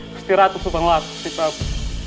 gusti ratu subanglarang gusti prabu